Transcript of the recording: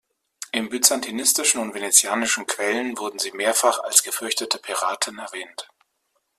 In byzantinischen und venezianischen Quellen wurden sie mehrfach als gefürchtete Piraten erwähnt.